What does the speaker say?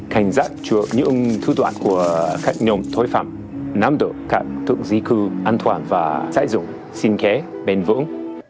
cảnh giác cho những thư toán của các nhóm thối phạm nắm được các thượng di cư an toàn và sải dụng sinh khế bền vững